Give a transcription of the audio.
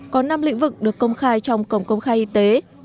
có năm lĩnh vực được công khai trong cổng công khai y tế